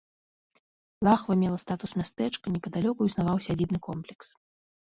Лахва мела статус мястэчка, непадалёку існаваў сядзібны комплекс.